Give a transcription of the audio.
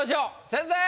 先生！